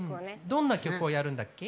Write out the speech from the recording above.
どんな曲をやるんだっけ？